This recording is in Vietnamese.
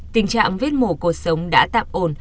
tình trạng vết mổ cuộc sống đã tạm ổn